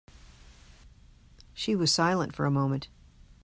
She was silent for a moment.